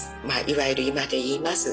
いわゆる今でいいます